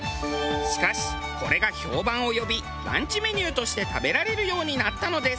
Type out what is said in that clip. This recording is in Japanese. しかしこれが評判を呼びランチメニューとして食べられるようになったのです。